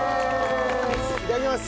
いただきます！